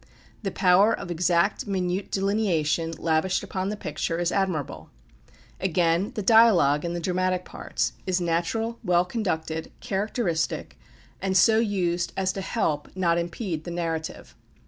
The power of exact minute delineation lavished upon the picture is admirable. Again, the dialogue in the dramatic parts is natural, well conducted, characteristic, and so used as to help, not impede, the narrative.